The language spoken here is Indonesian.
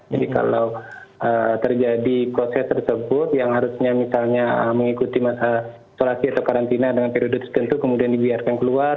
jadi kalau terjadi kose tersebut yang harusnya misalnya mengikuti isolasi atau karantina dengan periode tertentu kemudian dibiarkan keluar